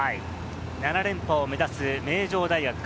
７連覇を目指す名城大学か？